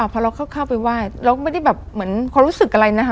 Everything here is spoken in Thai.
พอเราเข้าไปไหว้เราก็ไม่ได้แบบเหมือนความรู้สึกอะไรนะคะ